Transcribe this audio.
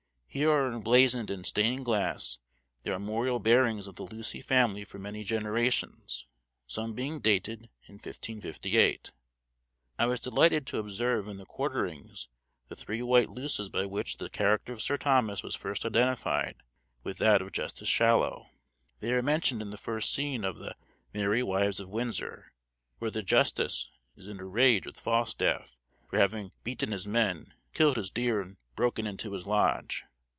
Here are emblazoned in stained glass the armorial bearings of the Lucy family for many generations, some being dated in 1558. I was delighted to observe in the quarterings the three white luces by which the character of Sir Thomas was first identified with that of Justice Shallow. They are mentioned in the first scene of the "Merry Wives of Windsor," where the justice, is in a rage with Falstaff for having "beaten his men, killed his deer, and broken into his lodge."